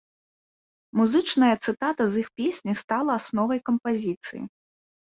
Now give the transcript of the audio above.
Музычная цытата з іх песні стала асновай кампазіцыі.